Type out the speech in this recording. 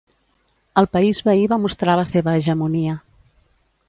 El país veí va mostrar la seva hegemonia.